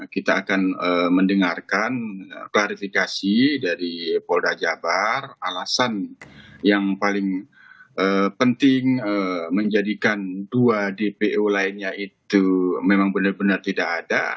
kita akan mendengarkan klarifikasi dari polda jabar alasan yang paling penting menjadikan dua dpo lainnya itu memang benar benar tidak ada